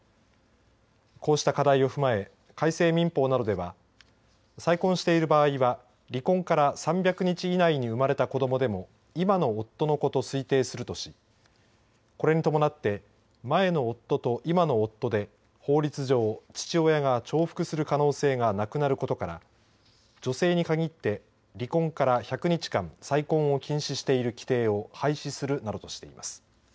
こうした課題を踏まえ改正民法などでは再婚している場合は離婚から３００日以内に生まれた子どもでも今の夫の子と推定するとしこれに伴って前の夫と今の夫で法律上、父親が重複する可能性がなくなることから女性に限って離婚から１００日間再婚を禁止している規定を廃止するなどとしています。